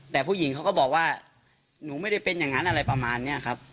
แต่ผู้หญิงเขาก็บอกว่าหนูไม่ได้เป็นอย่างนั้นอะไรประมาณนี้ครับ